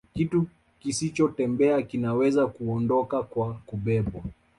Kitu kisichotembea kinaweza kuondoka kwa kubebwa